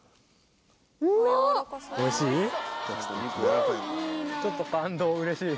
おいしい？